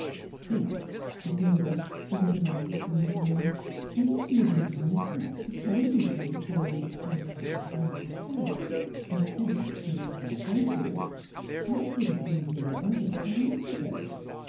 " Yes," said Hilda, who had alighted from the brougha m, "and if you had been hcmest enough to tell me of Lady Paulyn'a escape at the time it occurred, instead of three hours afterwards, I eliouiJ have been here ever so long ago.